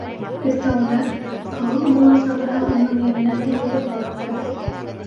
Өҫтәүенә, ауыл бала-сағаһы уның йәненә тейеп ыҙалатты.